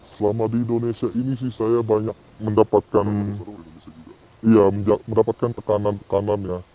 selama di indonesia ini saya banyak mendapatkan tekanan